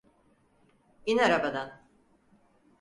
İn arabadan!